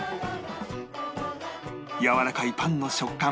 やわらかいパンの食感